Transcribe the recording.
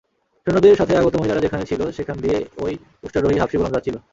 সৈন্যদের সাথে আগত মহিলারা যেখানে ছিল সেখান দিয়ে এই উষ্ট্রারোহী হাবশী গোলাম যাচ্ছিল।